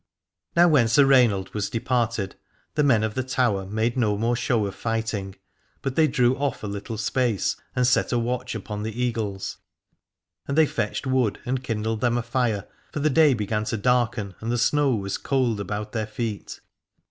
Now when Sir Rainald was departed the men of the Tower made no more show of fighting, but they drew oif a little space and set a watch upon the Eagles : and they fetched wood and kindled them a fire, for the day began to darken and the snow was cold about their feet.